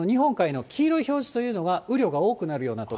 この日本海の黄色い表示というのが、雨量が多くなるような所。